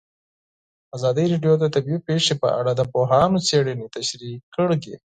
ازادي راډیو د طبیعي پېښې په اړه د پوهانو څېړنې تشریح کړې.